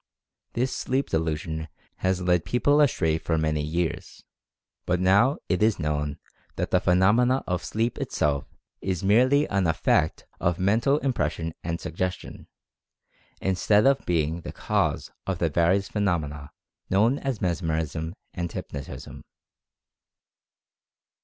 This sleep de lusion has led people astray for many years, but now it is known that the phenomena of sleep itself is merely an effect of Mental Impression and Sugges tion, instead of being the cause of the various phe nomena known as Mesmerism and Hypnotism.